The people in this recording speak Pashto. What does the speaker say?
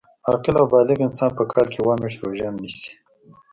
عاقل او بالغ انسان په کال کي یوه میاشت روژه نیسي